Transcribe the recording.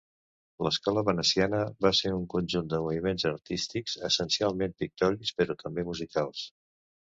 L'escola veneciana va ser un conjunt de moviments artístics, essencialment pictòrics però també musicals.